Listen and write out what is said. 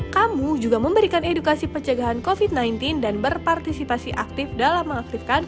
kamu juga memberikan edukasi pencegahan covid sembilan belas dan berpartisipasi aktif dalam mengaktifkan